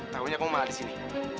takutnya kamu malah disini